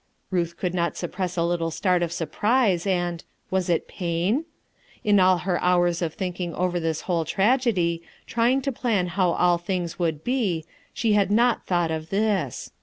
Ruth could not suppress a little start of surprise and — was it pain? In all her hours of thinking over this whole tragedy,, try ing to plan how all things would be, she had cot thought of this.